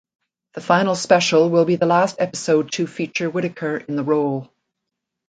The final special will be the last episode to feature Whittaker in the role.